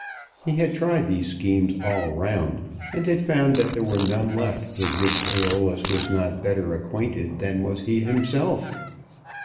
He had tried these schemes all round, and had found that there were none left with which Æolus was not better acquainted than was he himself.